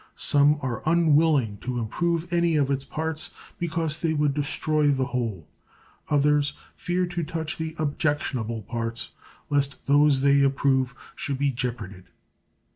Some are unwilling to improve any of its parts because they would destroy the whole; others fear to touch the objectionable parts lest those they approve should be jeoparded.